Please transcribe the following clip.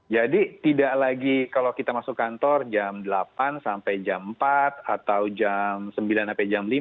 jadi tidak lagi kalau kita masuk kantor jam delapan sampai jam empat atau jam sembilan sampai jam lima